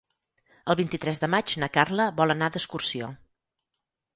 El vint-i-tres de maig na Carla vol anar d'excursió.